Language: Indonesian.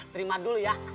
terima dulu ya